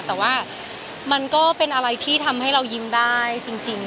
แต่ว่ามันก็เป็นอะไรที่ทำให้เรายิ้มได้จริง